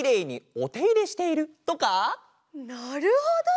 なるほど！